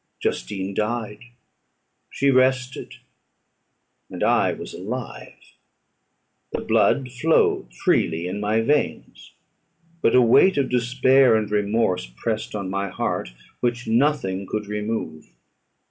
Justine died; she rested; and I was alive. The blood flowed freely in my veins, but a weight of despair and remorse pressed on my heart, which nothing could remove.